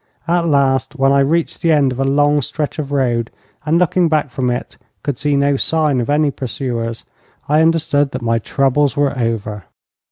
At last, when I reached the end of a long stretch of road, and looking back from it could see no sign of any pursuers, I understood that my troubles were over.